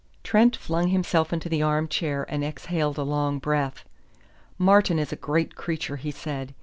Trent flung himself into the arm chair and exhaled a long breath. "Martin is a great creature," he said.